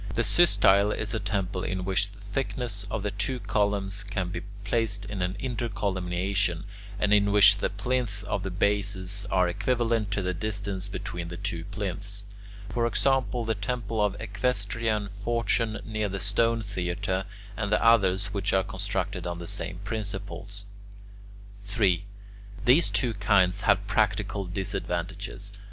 The systyle is a temple in which the thickness of two columns can be placed in an intercolumniation, and in which the plinths of the bases are equivalent to the distance between two plinths: for example, the temple of Equestrian Fortune near the stone theatre, and the others which are constructed on the same principles. 3. These two kinds have practical disadvantages.